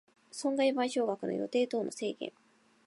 損害賠償額の予定等の制限